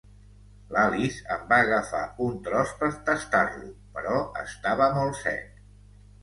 L'Alice en va agafar un tros per tastar-lo, però estava molt sec.